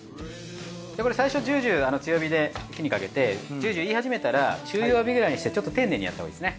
最初ジュージュー強火で火にかけてジュージュー言い始めたら中弱火くらいにしてちょっと丁寧にやったほうがいいですね。